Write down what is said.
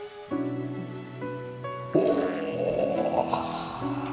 おお！